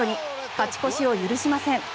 勝ち越しを許しません。